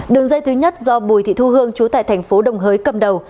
đường dây thứ nhất do bùi thị thu hương chú tại tp đồng hới cầm đầu